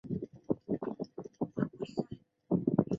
她的作品被许多人收藏。